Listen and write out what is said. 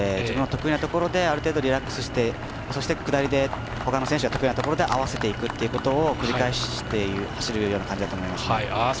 自分の得意なところである程度リラックスしてそして、下りでほかの選手が得意なところで合わせていくっていうことを繰り返して走るような感じだと思います。